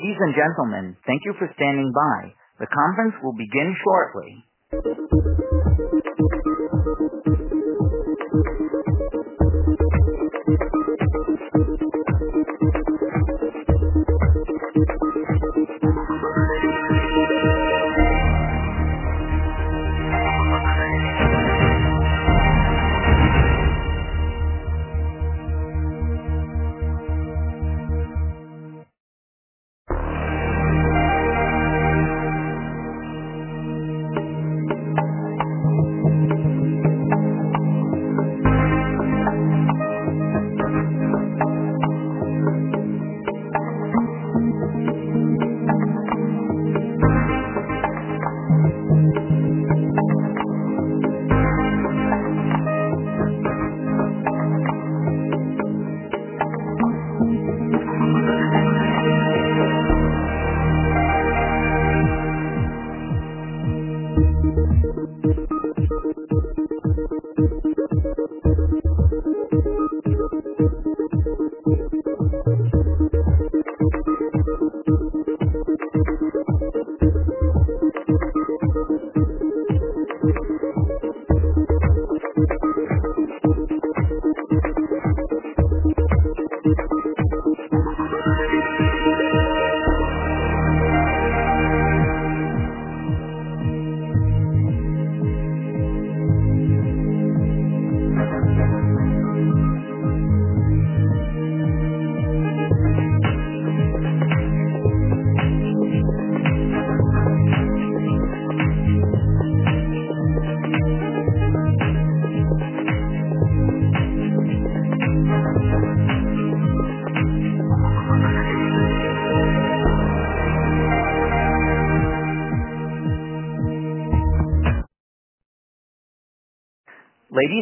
Ladies and gentlemen, thank you for standing by. The conference will begin shortly.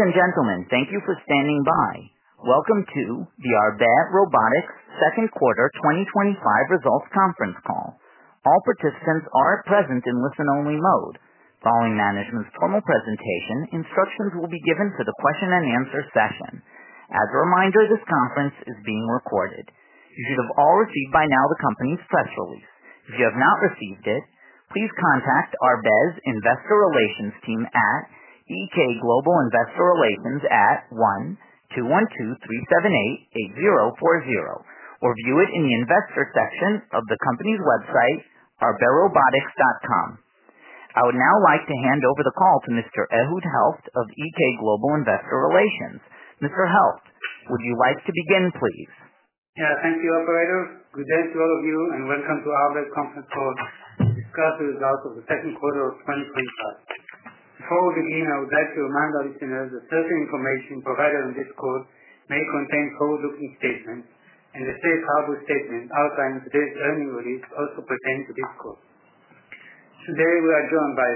Ladies and gentlemen, thank you for standing by. Welcome to the Arbe Robotics Second Quarter 2025 Results Conference Call. All participants are present in listen-only mode. Following management's formal presentation, instructions will be given for the question-and-answer session. As a reminder, this conference is being recorded. You should have all received by now the company's press release. If you have not received it, please contact Arbe's investor relations team at EK Global Investor Relations at 1-212-378-8040 or view it in the investor section of the company's website, arbrobotics.com. I would now like to hand over the call to Mr. Ehud Helft of EK Global Investor Relations. Mr. Helft, would you like to begin, please? Yeah, thank you, operator. Good day to all of you and welcome to our conference call to discuss the results of the second quarter of 2023. Before we begin, I would like to remind our listeners that certain information provided on this call may contain forward-looking statements and the safe harbor statement outlined in today's earnings release also pertains to this call. Today, we are joined by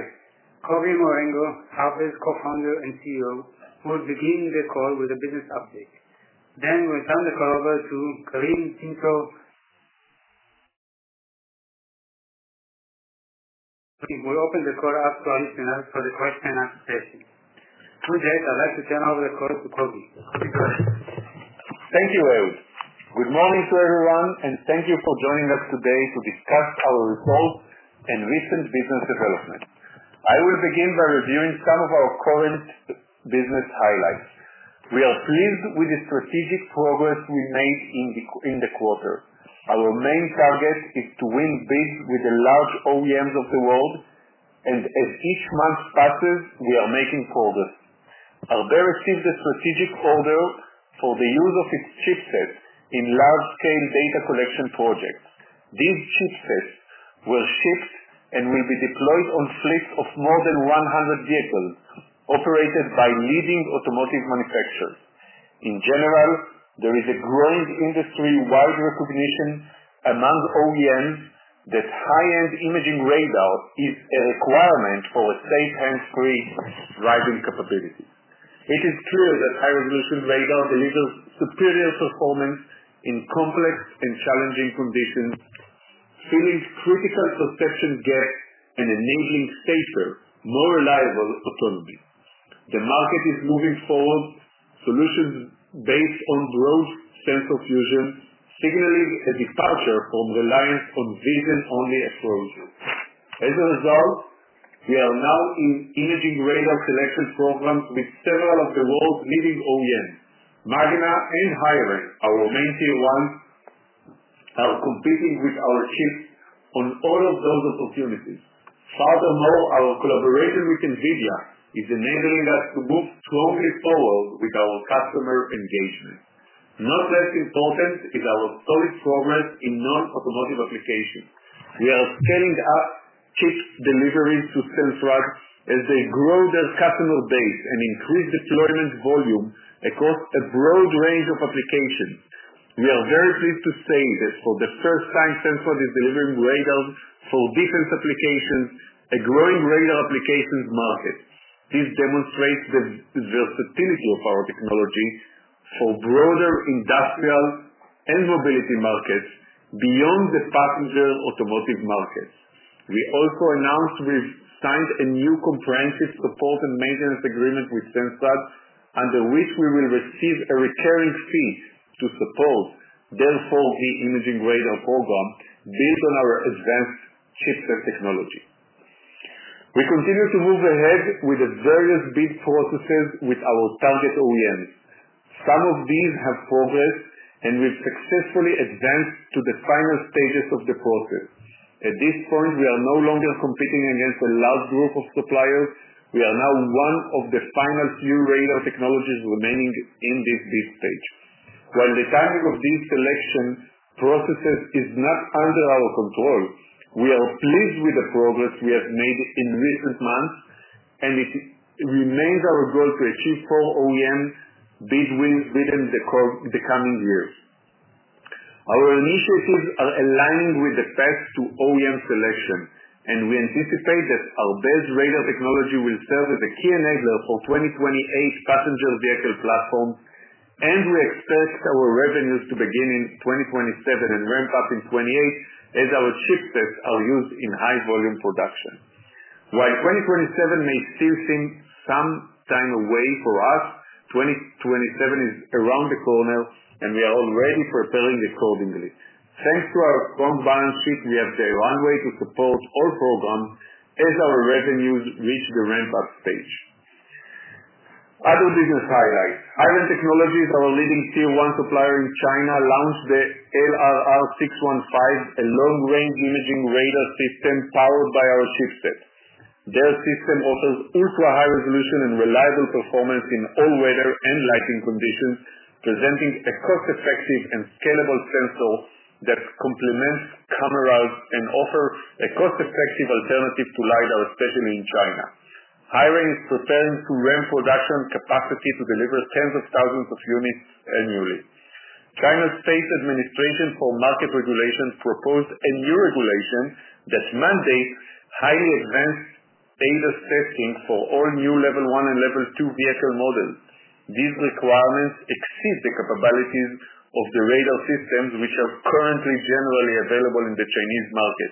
Kobi Marenko, Arbe' Co-Founder and CEO, who will begin the call with a business update. We'll then turn the call over to Karine Pinto-Flomenboim. We'll open the call up to our listeners for the question and answer session. Before that, I'd like to turn over the call to Kobi. Thank you, Ehud. Good morning to everyone and thank you for joining us today to discuss our report and recent business developments. I will begin by reviewing some of our current business highlights. We are pleased with the strategic progress we made in the quarter. Our main target is to win bids with the large OEMs of the world, and as each month passes, we are making progress. Arbe received a strategic order for the use of its chipsets in large-scale data collection projects. These chipsets were shipped and will be deployed on fleets of more than 100 vehicles operated by leading automotive manufacturers. In general, there is a growing industry-wide recognition among OEMs that high-end imaging radar is a requirement for a safe and free driving capability. It is true that imaging radar delivers superior performance in complex and challenging conditions, filling critical perception gaps and enabling safer, more reliable autonomy. The market is moving forward, solutions based on growth, sensor fusion, signaling a departure from reliance on vision-only approaches. As a result, we are now in an imaging radar selection program with several of the world's leading OEMs. Magna and HiRain are our main tier 1s, competing with our chips on all of those opportunities. Furthermore, our collaboration with NVIDIA is enabling us to move strongly forward with our customer engagement. Not less important is our solid progress in non-automotive applications. We are scaling up chips delivering to Sensrad as they grow their customer base and increase deployment volume across a broad range of applications. We are very pleased to say that for the first time, Sensrad is delivering radars for different applications, a growing radar applications market. This demonstrates the versatility of our technology for broader industrial and mobility markets beyond the passenger automotive market. We also announced we've signed a new comprehensive support and maintenance agreement with Sensrad, under which we will receive a recurring fee to support their 4G imaging radar program built on our advanced chips and technology. We continue to move ahead with the various bid processes with our target OEMs. Some of these have progressed and we've successfully advanced to the final stages of the process. At this point, we are no longer competing against a large group of suppliers. We are now one of the final few radar technologies remaining in this stage. While the timing of these selection processes is not under our control, we are pleased with the progress we have made in recent months, and it remains our goal to achieve four OEM bid wins within the coming years. Our initiatives are aligning with the path to OEM selection, and we anticipate that Arbe's radar technology will serve as a key enabler for 2028's passenger vehicle platform, and we expect our revenues to begin in 2027 and ramp up in 2028 as our chipsets are used in high-volume production. While 2027 may still seem some time away for us, 2027 is around the corner, and we are already preparing accordingly. Thanks to our compliance chip, we have the runway to support our program as our revenues reach the ramp-up stage. Other business highlights. HiRain Technology, our leading Tier 1 supplier in China, launched the LRR615, a long-range imaging radar system powered by our chipset. Their system offers ultra-high resolution and reliable performance in all weather and lighting conditions, presenting a cost-effective and scalable sensor that complements cameras and offers a cost-effective alternative to LiDAR, especially in China. HiRain is preparing to ramp production capacity to deliver tens of thousands of units annually. China's State Administration for Market Regulation proposed a new regulation that mandates highly advanced standard setting for all new Level 1 and Level 2 vehicle models. These requirements exceed the capabilities of the radar systems, which are currently generally available in the Chinese market.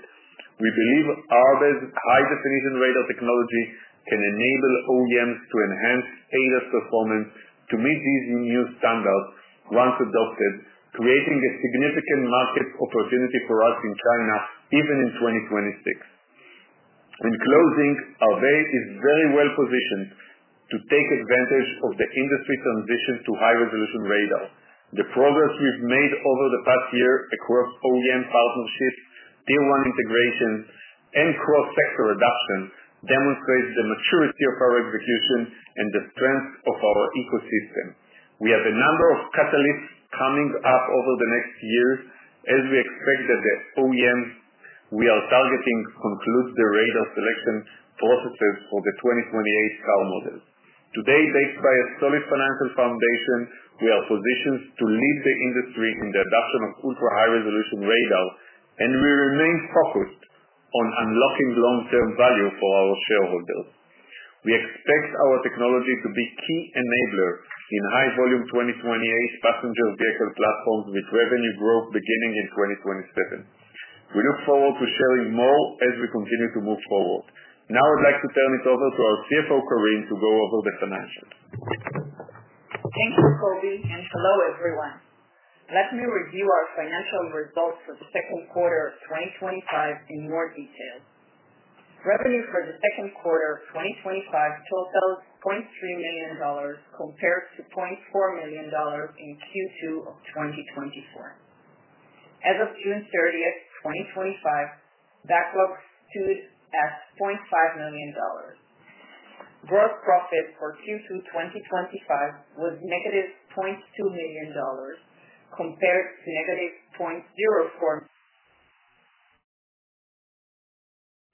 We believe Arbe's high-definition radar technology can enable OEMs to enhance ADAS performance to meet these new standards once adopted, creating a significant market opportunity for us in China, even in 2026. In closing, Arbe is very well positioned to take advantage of the industry transition to high-resolution radar. The progress we've made over the past year across OEM partnerships, Tier 1 integration, and cross-sector adoption demonstrates the maturity of our execution and the strength of our ecosystem. We have a number of catalysts coming up over the next year as we expect that the OEMs we are targeting to conclude the radar selection process for the 2028 models. Today, by a solid financial foundation, we are positioned to lead the industry in the adoption of ultra-high-resolution radar, and we remain focused on unlocking long-term value for our shareholders. We expect our technology to be a key enabler in high-volume 2028 passenger vehicle platforms with revenue growth beginning in 2027. We look forward to sharing more as we continue to move forward. Now, I'd like to turn it over to our CFO, Karine, to go over the financials. Thank you, Kobi, and hello, everyone. Let me review our financial results for the second quarter of 2025 in more detail. Revenue for the second quarter of 2025 totals $0.3 million compared to $0.4 million in Q2 of 2024. As of June 30th, 2025, that works to $0.5 million. Gross profit for Q2 2025 was -$0.2 million compared to -$0.04 million,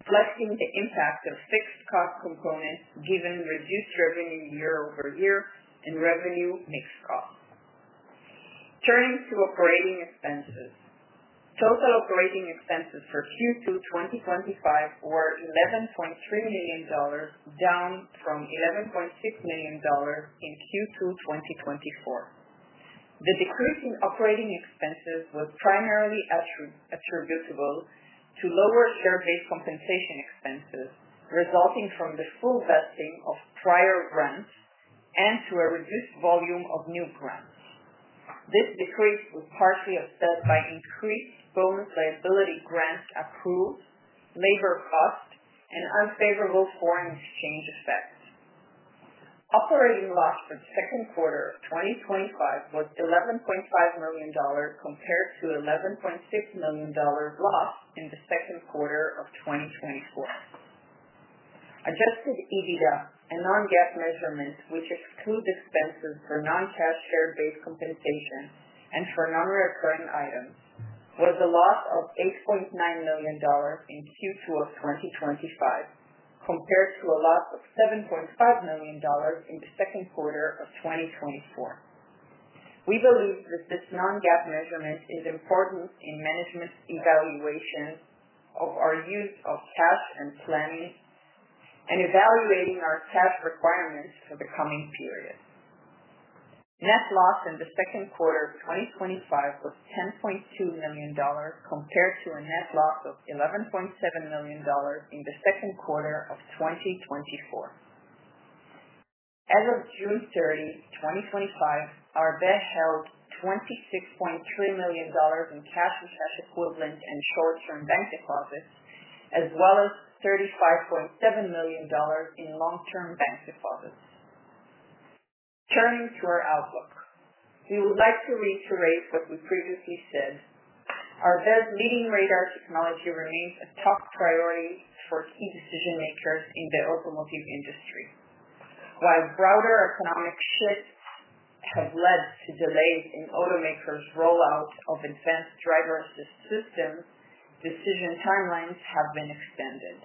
reflecting the impact of fixed cost components given reduced revenue year-over-year and revenue mixed costs. Turning to operating expenses, total operating expenses for Q2 2025 were $11.3 million, down from $11.6 million in Q2 2024. The decrease in operating expenses was primarily attributable to lower share-based compensation expenses resulting from the full vesting of prior grants and to a reduced volume of new grants. This decrease was partially offset by increased bonus liability grants accrued, labor costs, and unfavorable foreign exchange effects. Operating loss for the second quarter of 2025 was $11.5 million compared to $11.6 million loss in the second quarter of 2024. Adjusted EBITDA, a non-GAAP measurement which excludes expenses for non-cash share-based compensation and for non-recurring items, was a loss of $8.9 million in Q2 of 2025 compared to a loss of $7.5 million in the second quarter of 2024. We believe that this non-GAAP measurement is important in management's evaluation of our use of cash and planning and evaluating our cash requirements for the coming periods. Net loss in the second quarter of 2025 was $10.2 million compared to a net loss of $11.7 million in the second quarter of 2024. As of June 30, 2025, Arbe held $26.3 million in cash and cash equivalents and short-term bank deposits, as well as $35.7 million in long-term bank deposits. Turning to our outlook, we would like to reiterate what we previously said. Arbe's leading radar technology remains a top priority for key decision-makers in the automotive industry. While broader economic shifts have led to delays in automakers' rollout of advanced driver-assist systems, decision timelines have been extended.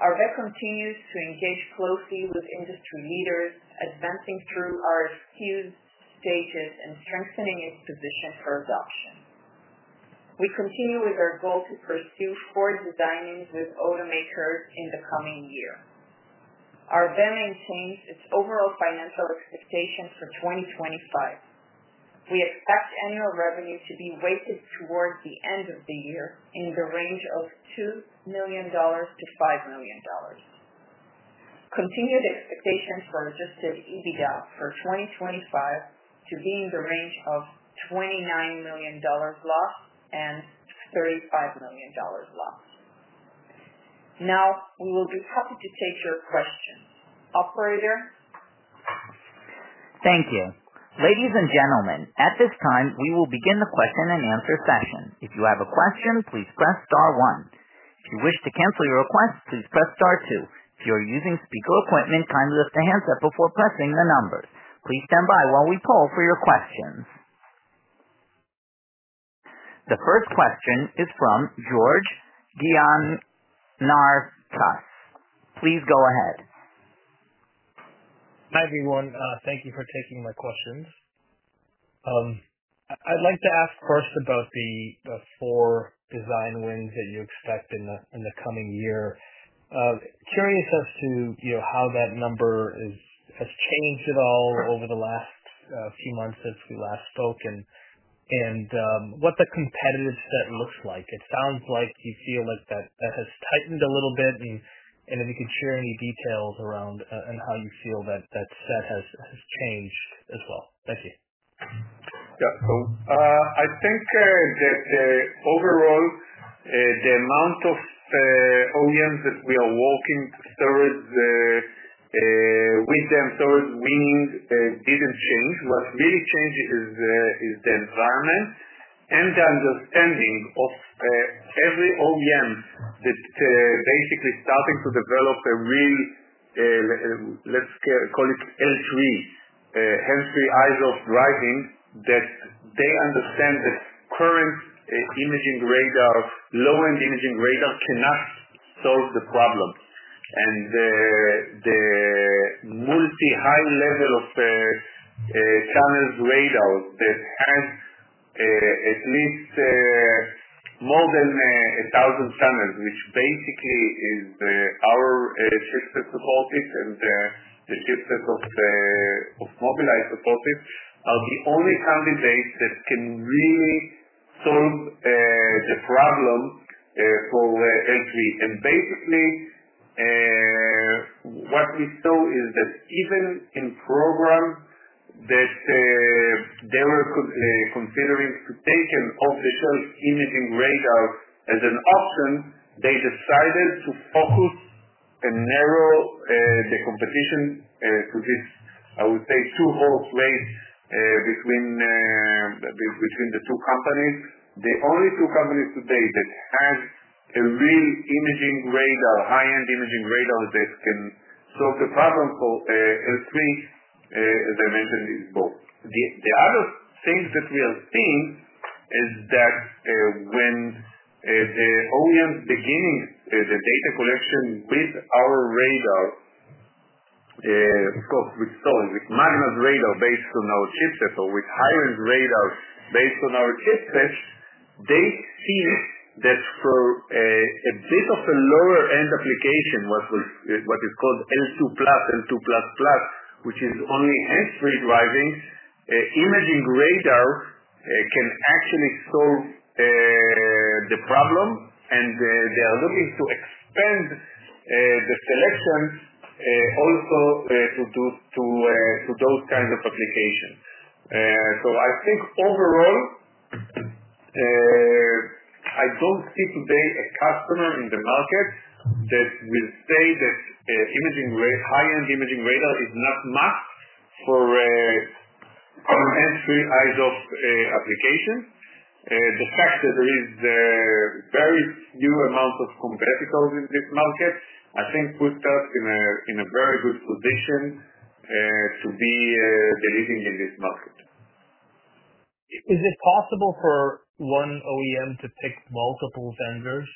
Arbe continues to engage closely with industry leaders, advancing through our SKU status and strengthening its position for adoption. We continue with our goal to pursue forward-looking dynamics with automakers in the coming year. Arbe maintains its overall financial expectations for 2025. We expect annual revenue to be weighted toward the end of the year in the range of $2 million-$5 million. Continued expectations for adjusted EBITDA for 2025 to be in the range of $29 million loss and $35 million loss. Now, we will be happy to take your questions. Operator? Thank you. Ladies and gentlemen, at this time, we will begin the question and answer session. If you have a question, please press star one. If you wish to cancel your request, please press star two. If you are using speaker equipment, kindly lift your hands up before pressing the numbers. Please stand by while we poll for your questions. The first question is from George Gianarikas. Please go ahead. Hi, everyone. Thank you for taking my questions. I'd like to ask, of course, about the four design wins that you expect in the coming year. Curious as to how that number has changed at all over the last few months since we last spoke and what the competitive set looks like. It sounds like you feel like that has tightened a little bit, and if you can share any details around how you feel that that set has changed as well. Thank you. Yeah, so I think that overall, the amount of OEMs that we are working towards with them towards winning didn't change. What really changed is the environment and the understanding of every OEM that's basically starting to develop a real, let's call it, Level 3, hands-free eyes-off driving, that they understand this current imaging radar, low-end imaging radar, cannot solve the problem. The multi-high level of channels radar that has at least more than 1,000 channels, which basically is our chipset corpus and the chipset of the mobilizer corpus, are the only candidates that can really solve the problem for Level 3. Basically, what we saw is that even in programs that they were considering to take an off-the-shelf imaging radar as an option, they decided to focus and narrow the competition to this, I would say, two hallways between the two companies. The only two companies today that have a real imaging radar, high-end imaging radar that can solve the problem for Level 3, as I mentioned, is both. The other thing that we are seeing is that when OEMs begin the data collection with our radar, so with Magna's radar based on our chipset or with HiRain's radar based on our chipset, they see that for a bit of a lower-end application, what is called Level 2+, Level 2++, which is only hands-free driving, imaging radar can actually solve the problem. They are looking to expand the selection also to those kinds of applications. I think overall, I don't see today a customer in the market that will say that high-end imaging radar is not a must for hands-free eyes-off application. The fact is there is a very few amounts of competitors in the market. I think we start in a very good position to be leading in this market. Is it possible for one OEM to pick multiple vendors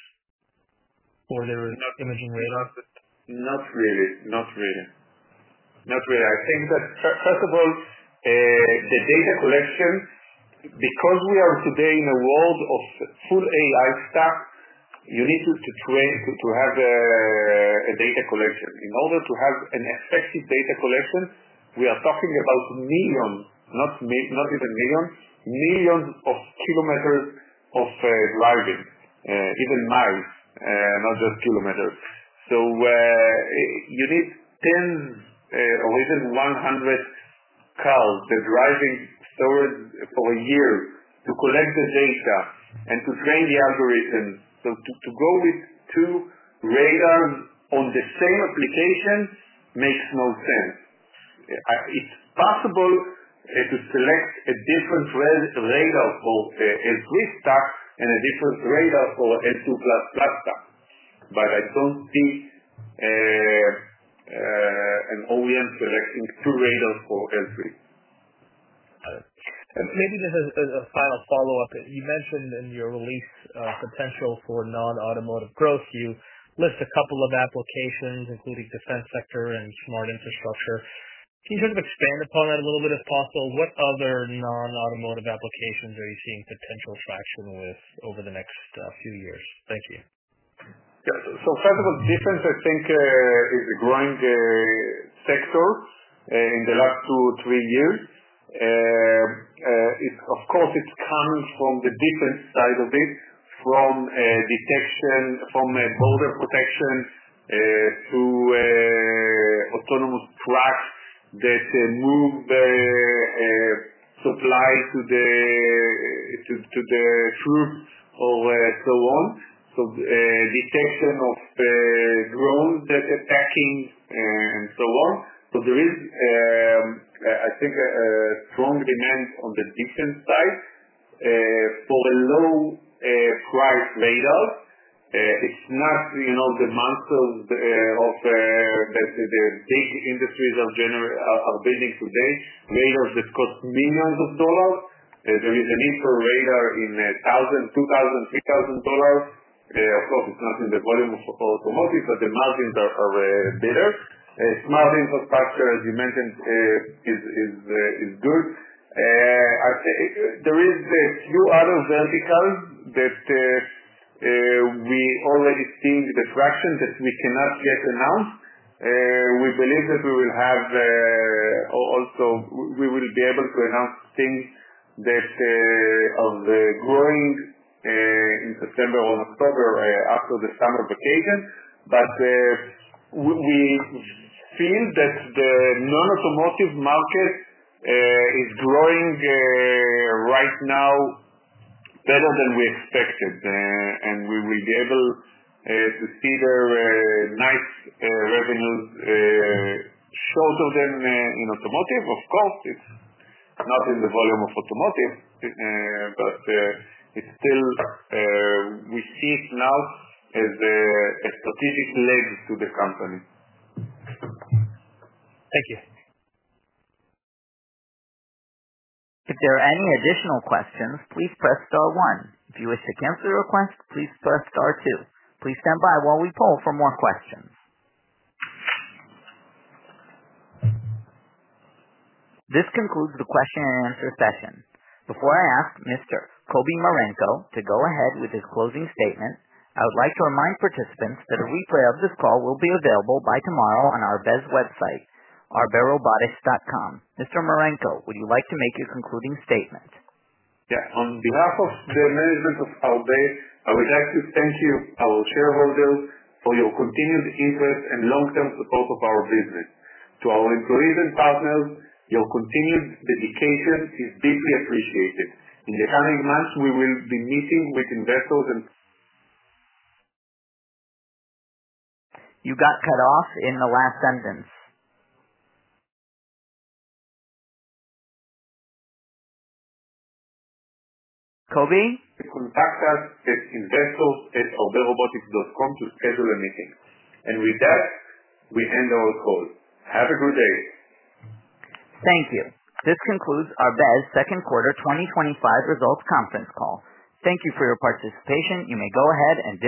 for their imaging radar? I think that first of all, the data collection, because we are today in a world of full AI stack, you need to have a data collection. In order to have an effective data collection, we are talking about millions, not even millions, millions of kilometers of driving, even miles, not just kilometers. You need 10 or even 100 cars driving for a year to collect the data and to train the algorithms. To go with two radars on the same application makes no sense. It's possible to select a different radar for the L3 stack and a different radar for L2++ stack. I don't think an OEM selects two radars for L3. Got it. Maybe this is a final follow-up. You mentioned in your release a potential for non-automotive growth. You list a couple of applications, including defense sector and smart infrastructure. Can you kind of expand upon that a little bit if possible? What other non-automotive applications are you seeing potential traction with over the next few years? Thank you. Yeah. First of all, defense, I think, is a growing sector in the last two or three years. Of course, it comes from the defense side of it, from detection, from border protection, to autonomous trucks that move the supply to the troop or so on. Detection of drones that are attacking and so on. I think there is a strong demand on the defense side for a low-price radar. It's not the monsters of, let's say, the big industries are building today, radars that cost millions of dollars. There is a need for radar in $1,000, $2,000, $3,000. Of course, it's not in the volume of automotive, but the margins are better. Small infrastructure, as you mentioned, is good. There are a few other verticals that we already see the traction that we cannot yet announce. We believe that we will have, or also we will be able to announce things that are growing in September or October, after the summer vacation. We feel that the non-automotive market is growing right now better than we expected. We will be able to see their nice revenue shorter than in automotive. Of course, it's not in the volume of automotive, but still we see it now as a strategic leg to the company. Thank you. If there are any additional questions, please press star one. If you wish to cancel your request, please press star two. Please stand by while we poll for more questions. This concludes the question-and-answer session. Before I ask Mr. Kobi Marenko to go ahead with his closing statement, I would like to remind participants that a replay of this call will be available by tomorrow on Arbe's website, arbrobotics.com. Mr. Marenko, would you like to make your concluding statement? Yeah. On behalf of the management of Arbe, I would like to thank you, our shareholders, for your continued interest and long-term support of our business. To our employees and partners, your continued dedication is deeply appreciated. In the coming months, we will be meeting with investors. You got cut off in the last sentence. Kobi? To contact us at investors@arberobotics.com to schedule a meeting. With that, we end our call. Have a good day. Thank you. This concludes Arbe Robotics' Second Quarter 2025 Results Conference Call. Thank you for your participation. You may go ahead.